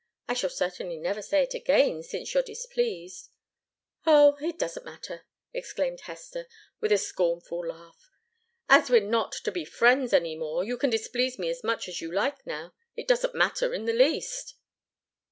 I shall certainly never say it again, since you're displeased." "Oh that doesn't matter!" exclaimed Hester, with a little scornful laugh. "As we're not to be friends any more, you can displease me as much as you like now. It doesn't matter in the least!"